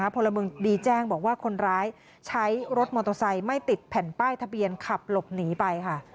พลเมืองดีแจ้งบอกว่าคนร้ายใช้รถมอเตอร์ไซค์ไม่ติดแผ่นป้ายทะเบียนขับหลบหนีไปค่ะ